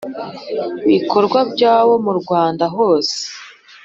ibikorwa byawo mu Rwanda hose